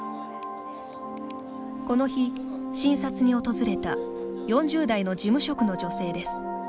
この日、診察に訪れた４０代の事務職の女性です。